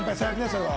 それは。